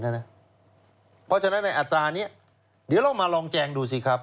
เพราะฉะนั้นในอัตรานี้เดี๋ยวเรามาลองแจงดูสิครับ